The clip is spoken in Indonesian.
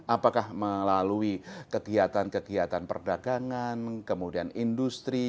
apakah melalui kegiatan kegiatan perdagangan kemudian industri